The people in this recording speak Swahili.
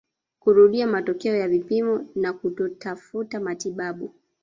kurudia matokeo ya vipimo na kutotafuta matibabu